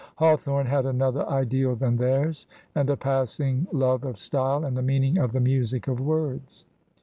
Hawthorne had another ideal than theirs, and a passing love of style, and the meaning of the music of words.